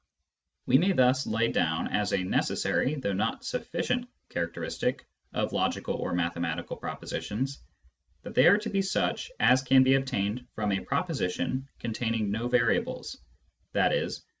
We may thus lay down, as a necessary (though not sufficient) characteristic of logical or mathematical propositions, that they are to be such as can be obtained from a proposition containing no variables {i.e.